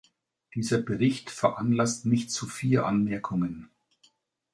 Dieser Bericht veranlasst mich zu vier Anmerkungen.